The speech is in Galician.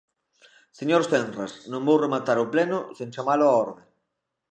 Señor Senras, non vou rematar o pleno sen chamalo á orde.